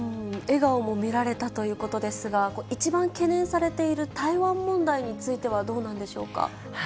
笑顔も見られたということですが、一番懸念されている台湾問題についてはどうなんでしょうか。